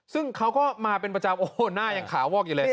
ซึ่งเขาก็มาเป็นประจำโอ้โหหน้ายังขาวอกอยู่เลย